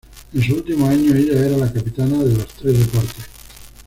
En su último año, ella era la capitana de los tres deportes.